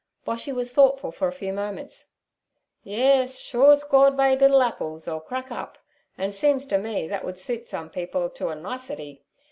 Boshy was thoughtful for a few moments. 'Yes, sure's Gord made liddle apples, 'er'll crack up, an' seems ter me thet would soot some people to a nicety.